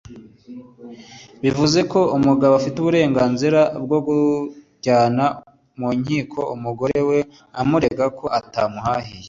bivuze ko umugabo afite uburenganzira bwo kujyana mu nkiko umugore we amurega ko atamuhahiye